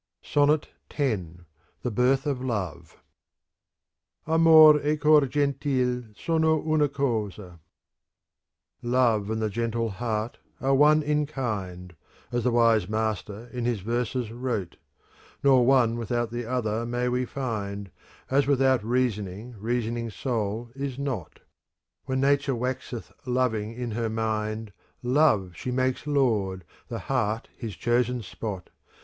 SONNET X THE BIRTH OF LOVE Amor e cor gentil sono una cosa Love and the gentle heart are one in kind, As the wise Master in his verses wrote : Nor one without the other may we find, As without reason reasoning soul is not. When Nature waxeth loving in her mind, * Love she makes Lord, the heart his chosen spot.